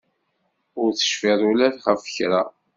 Ur tecfiḍ ula ɣef kra?